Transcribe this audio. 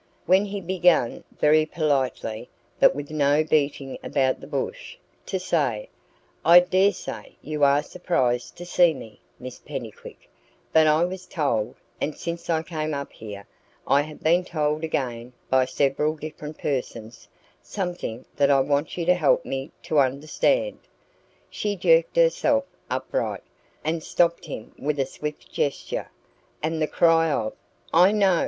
When he began, very politely, but with no beating about the bush, to say: "I daresay you are surprised to see me, Miss Pennycuick, but I was told and since I came up here I have been told again by several different persons something that I want you to help me to understand," she jerked herself upright, and stopped him with a swift gesture and the cry of: "I know!